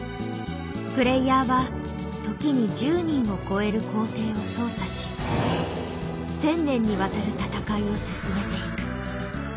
プレイヤーは時に１０人を超える皇帝を操作し１，０００年にわたる戦いを進めていく。